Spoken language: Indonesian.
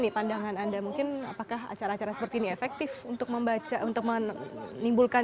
nih pandangan anda mungkin apakah acara acara seperti ini efektif untuk membaca untuk menimbulkan